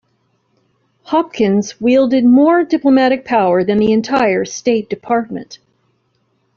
Hopkins wielded more diplomatic power than the entire State Department.